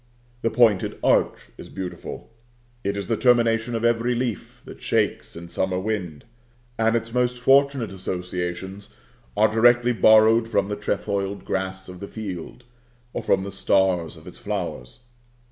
The pointed arch is beautiful; it is the termination of every leaf that shakes in summer wind, and its most fortunate associations are directly borrowed from the trefoiled grass of the field, or from the stars of its flowers.